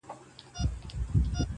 يوويشتمه نکته.